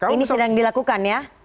ini sedang dilakukan ya